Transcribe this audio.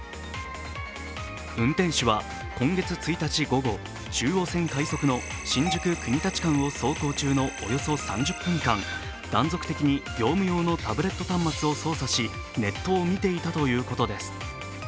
運転士は今月１日午後、中央線快速の新宿−国立間を走行中のおよそ３０分間、断続的に業務用のタブレット端末を操作しネットを見ていたということです。